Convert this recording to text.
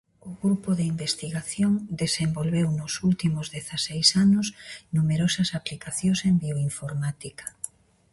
O grupo de investigación desenvolveu nos últimos dezaseis anos numerosas aplicacións en bioinformática.